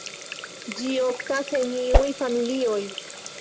Ĝi oftas en iuj familioj.